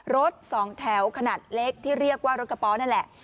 รถสองแถวขนาดเล็กที่เรียกว่ารถกระเป๋นั่นแหละ